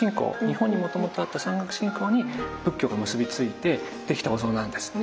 日本にもともとあった山岳信仰に仏教が結び付いて出来たお像なんです。